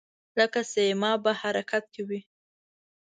لکه سیماب په حرکت کې وي.